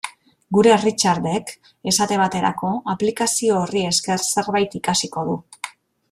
Gure Richardek, esate baterako, aplikazio horri esker zerbait ikasiko du.